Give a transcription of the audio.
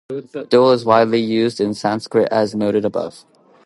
The dual is widely used in Sanskrit, as noted above.